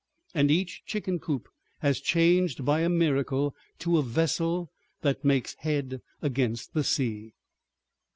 And each chicken coop has changed by a miracle to a vessel that makes head against the sea."